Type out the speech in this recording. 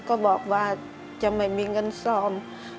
ก็บอกว่าจะไม่มีเงินซ่อม